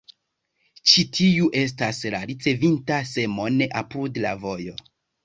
Ĉi tiu estas la ricevinta semon apud la vojo.